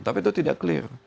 tapi itu tidak clear